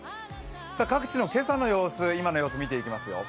各地の今朝の様子、今の様子見ていきますよ。